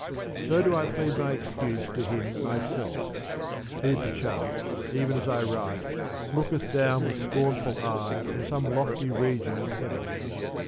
So do I plead my excuse to him himself, who perchance, even as I write, looketh down with scornful eye from some lofty region of heaven.